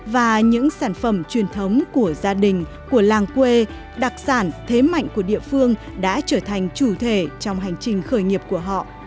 và những sản phẩm truyền thống của gia đình của làng quê đặc sản thế mạnh của địa phương đã trở thành chủ thể trong hành trình khởi nghiệp của họ